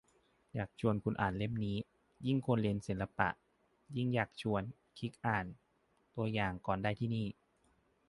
อยากชวนคุณอ่านเล่มนี้ ยิ่งคุณเรียนศิลปะ ยิ่งอยากชวน คลิกอ่านตัวอย่างก่อนได้ที่นี่